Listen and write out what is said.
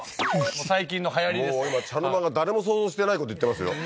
もう最近のはやりですからもう今茶の間が誰も想像してないこと言ってますよ